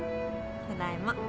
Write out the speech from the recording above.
ただいま。